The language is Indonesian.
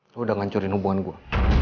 kamu sudah hancur hubungan saya